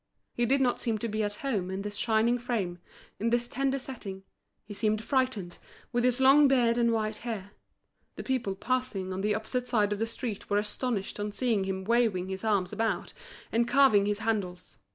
He did not seem to be at home in this shining frame, in this tender setting; he seemed frightened, with his long beard and white hair. The people passing on the opposite side of the street were astonished on seeing him waving his arms about and carving his handles.